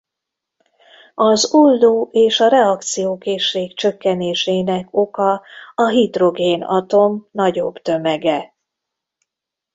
Az oldó- és a reakciókészség csökkenésének oka a hidrogénatom nagyobb tömege.